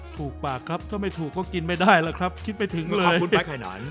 ถูกปากครับถ้าไม่ถูกก็กินไม่ได้ละครับคิดไม่ถึงเลย